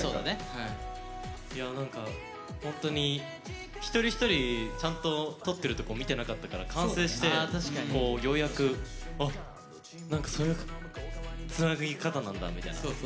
いやなんか本当に一人一人ちゃんと撮ってるとこ見てなかったから完成してようやくなんかそういうつなぎ方なんだみたいな。